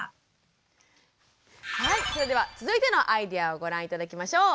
はいそれでは続いてのアイデアをご覧頂きましょう。